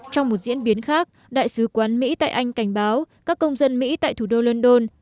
trong một diễn biến khác đại sứ quán mỹ tại anh cảnh báo các công dân mỹ tại thủ đô london